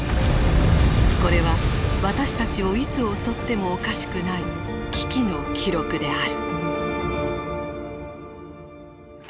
これは私たちをいつ襲ってもおかしくない危機の記録である。